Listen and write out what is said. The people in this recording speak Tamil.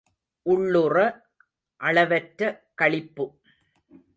உள்ளுற அளவற்ற களிப்பு.